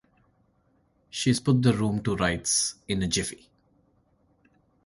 She's put the room to rights in a jiffy.